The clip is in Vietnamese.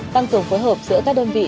tăng cường phối hợp giữa các đơn vị